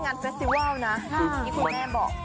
มันเป็นอีกหนึ่งกิจกรรมที่สนุกสนานมาก